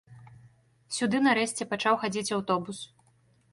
Сюды, нарэшце, пачаў хадзіць аўтобус.